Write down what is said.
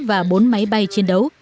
và bốn máy bay chiến đấu